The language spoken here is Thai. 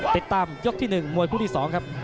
ติดตามยกที่๑มวยคู่ที่๒ครับ